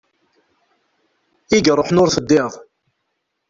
I iṛuḥen, ur teddiḍ!